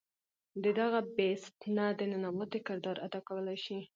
د دغه “Beast” نه د ننواتې کردار ادا کولے شي